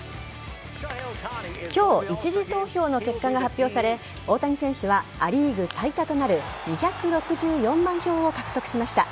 今日、１次投票の結果が発表され大谷選手はア・リーグ最多となる２６４万票を獲得しました。